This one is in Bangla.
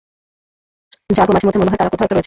জানো, মাঝেমধ্যে মনে হয় তারা কোথাও একটা রয়েছে।